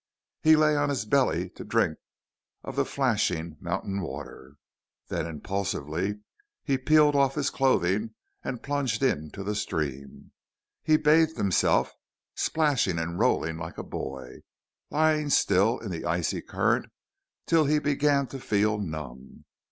He lay on his belly to drink of the flashing mountain water. Then, impulsively, he peeled off his clothing and plunged into the stream. He bathed himself, splashing and rolling like a boy, lying still in the icy current till he began to feel numb.